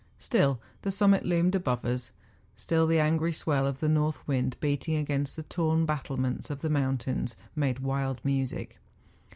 Still the summit loomed above us ; still the angry swell of the north wind beating against the torn battlements of the mountains, made wild music.